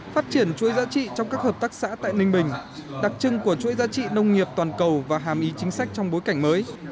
phát triển chuỗi giá trị trong các hợp tác xã tại ninh bình đặc trưng của chuỗi giá trị nông nghiệp toàn cầu và hàm ý chính sách trong bối cảnh mới